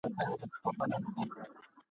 توتکۍ ویله غم لرم چي ژاړم !.